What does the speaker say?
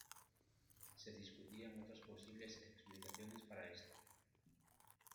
Se discutían otras posibles explicaciones para esta.